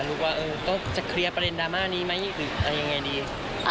หรือว่าจะเคลียร์ประเด็นดราม่านี้ไหมหรืออย่างไรดี